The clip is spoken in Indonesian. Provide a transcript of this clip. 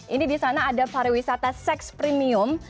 ini di sana ada para wisata seks premium